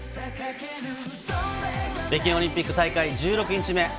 北京オリンピック大会１６日目。